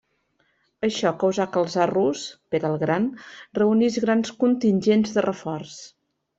Això causà que el Tsar rus, Pere el Gran reunís grans contingents de reforç.